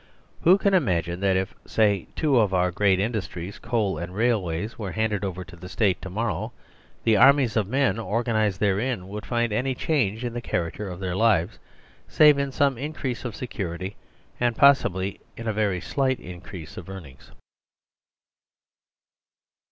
Who can imagine that if, say, two of our great industries, Coal and Railways, were handed over to the State to morrow, the armies of men organised therein would find any change in the character of their lives, save in some increase of securityand possiblyin a very slight increase of earn ings?